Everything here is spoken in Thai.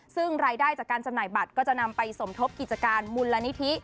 ซึ่งรายได้จากการจำหน่ายบัตรก็จะนำไปสมทบกิจการมูลนิธิ